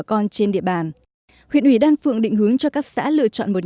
con trên địa bàn huyện ủy đan phượng định hướng cho các xã lựa chọn một nhóm tỉnh